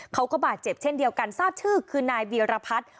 เขาก็บาดเจ็บเช่นเดียวกันทราบชื่อคือนายเวียรพัฒน์